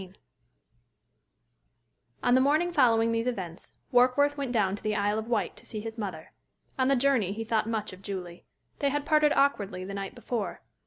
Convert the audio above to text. XIV On the morning following these events, Warkworth went down to the Isle of Wight to see his mother. On the journey he thought much of Julie. They had parted awkwardly the night before.